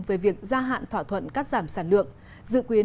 về việc gia hạn thỏa thuận các giảm sản lượng